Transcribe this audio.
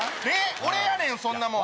俺やねんそんなもん。